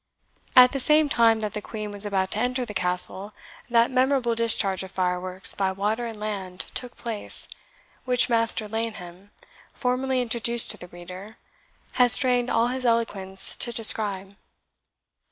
At the same time that the Queen was about to enter the Castle, that memorable discharge of fireworks by water and land took place, which Master Laneham, formerly introduced to the reader, has strained all his eloquence to describe.